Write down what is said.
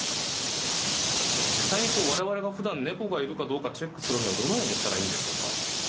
実際にわれわれがふだん、猫がいるかどうかチェックするには、どのようにしたらいいのでしょうか。